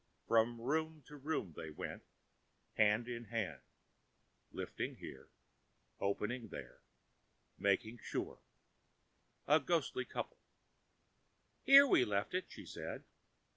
From room to room they went, hand in hand, lifting here, opening there, making sure—a ghostly couple. "Here we left it," she said.